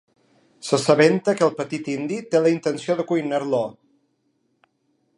S'assabenta que el petit indi té la intenció de cuinar-lo.